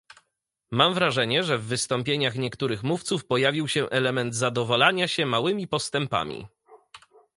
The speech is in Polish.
Mam wrażenie, że w wystąpieniach niektórych mówców pojawił się element zadowalania się małymi postępami